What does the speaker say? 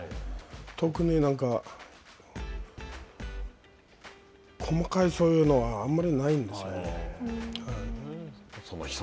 特に何か細かいそういうのはあんまりないんですよね。